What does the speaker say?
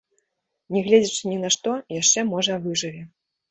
Не гледзячы ні на што, яшчэ можа выжыве.